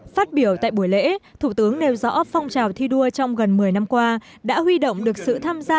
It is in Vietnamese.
phát biểu tại buổi lễ thủ tướng nêu rõ phong trào thi đua trong gần một mươi năm qua đã huy động được sự tham gia